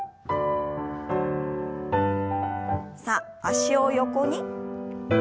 さあ脚を横に。